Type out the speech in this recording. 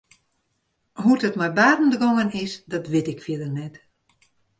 Hoe't it mei Barend gongen is dat wit ik fierder net.